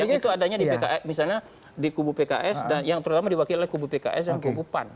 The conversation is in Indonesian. yang itu adanya di pks misalnya di kubu pks dan yang terutama diwakili kubu pks dan kubu pan